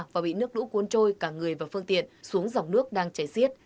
và bị nước lũ cuốn trôi cả người và phương tiện xuống dòng nước đang chảy xiết